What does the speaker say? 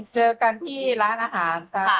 เจอกันที่ร้านอาหารค่ะ